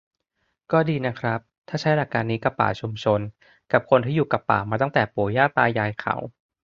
"ก็ดีนะครับ ถ้าใช้หลักการนี้กับป่าชุมชน กับคนที่อยู่กับป่ามาตั้งแต่ปู่ย่าตายายเขา"